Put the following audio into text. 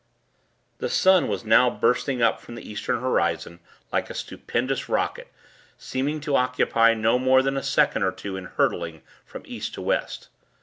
The sun was now bursting up from the Eastern horizon, like a stupendous rocket, seeming to occupy no more than a second or two in hurling from East to West.